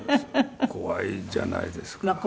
怖いじゃないですか。